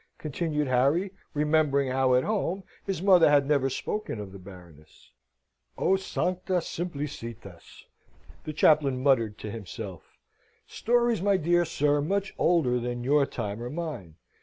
continued Harry, remembering how at home his mother had never spoken of the Baroness. "O sancta simplicitas!" the chaplain muttered to himself. "Stories, my dear sir, much older than your time or mine.